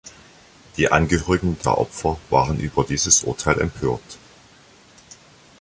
Die Angehörigen der Opfer waren über dieses Urteil empört.